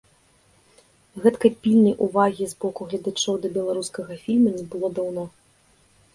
Гэткай пільнай увагі з боку гледачоў да беларускага фільма не было даўно.